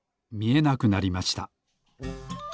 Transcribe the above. みえなくなりました。